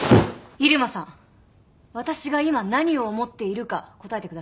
入間さん私が今何を思っているか答えてください。